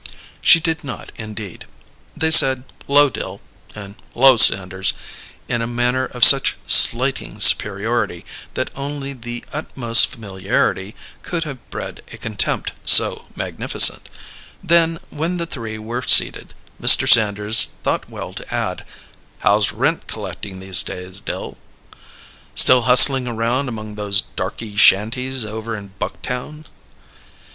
She did not, indeed. They said "H'lo, Dill" and "H'lo Sanders" in a manner of such slighting superiority that only the utmost familiarity could have bred a contempt so magnificent. Then, when the three were seated, Mr. Sanders thought well to add: "How's rent collecting these days, Dill? Still hustling around among those darky shanties over in Bucktown?"